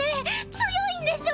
強いんでしょ？